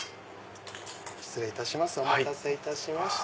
失礼しますお待たせしました。